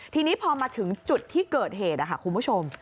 ทีนี้พอมาถึงจุดที่เกิดเหตุคุณผู้ชม